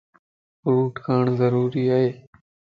ڦروٽ کاڻ ضروري ائي.